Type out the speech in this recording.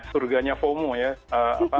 surganya fomo ya